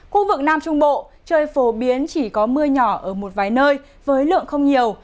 khu vực nam trung bộ trời phổ biến chỉ có mưa nhỏ ở một vài nơi với lượng không nhiều